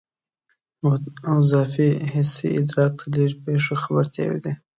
اضافي حسي ادراک د لیرې پېښو خبرتیاوې دي.